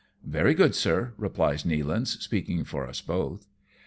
" Very good, sir," replies Nealance, speaking for us both.